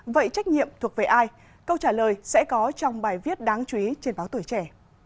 vậy trách nhiệm thuộc về ai câu trả lời sẽ có trong bài viết đáng chú ý trên báo tuổi trẻ